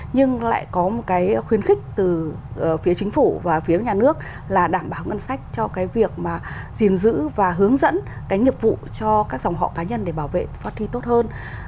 nhưng lại có một cái khuyến khích từ phía chính phủ và phía nhà nước là đảm bảo ngân sách cho cái việc mà gìn giữ và hướng dẫn cái nghiệp vụ cho các dòng họ cá nhân để bảo vệ phát huy tốt hơn